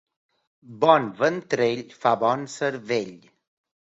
Bon ventrell fa bon cervell.